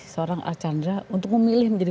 seorang archandra untuk memilih menjadi